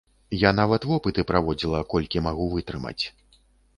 Я нават вопыты праводзіла, колькі магу вытрымаць.